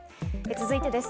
続いてです。